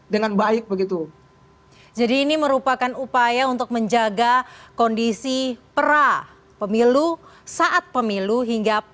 dengan baik begitu jadi ini merupakan upaya untuk menjaga kondisi pra pemilu saat pemilu hingga